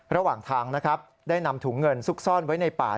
ระหว่างทางนะครับได้นำถุงเงินซุกซ่อนไว้ในป่า